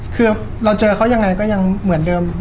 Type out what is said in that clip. คือเราเจอเขายังไงก็ยังเหมือนเดิม